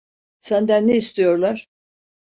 Senden ne istiyorlar?